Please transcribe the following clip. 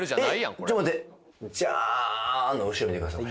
これちょっと待ってジャーの後ろ見てください